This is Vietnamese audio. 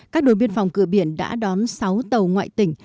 các đồn biên phòng cửa biển đã đón sáu tàu ngoại tỉnh